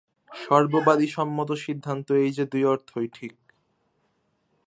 সর্ববাদিসম্মত সিদ্ধান্ত এই যে, দুই অর্থই ঠিক।